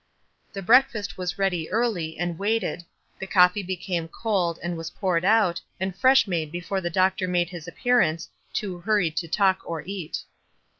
The breakfast was ready early, and waited — the coffee became cold, and was poured out, and fresh made before the doctor made his appearance, too hurried to talk or eat.